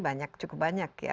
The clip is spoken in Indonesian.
banyak cukup banyak ya